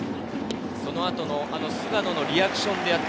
そのあとの菅野のリアクション。